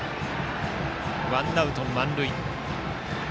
ワンアウト満塁。